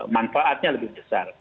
manfaatnya lebih besar